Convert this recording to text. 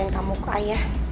kamu ke ayah